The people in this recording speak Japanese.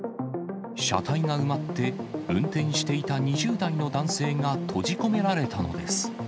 車体が埋まって、運転していた２０代の男性が閉じ込められたのです。